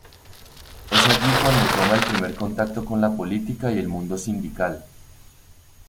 Es allí cuando toma el primer contacto con la política y el mundo sindical.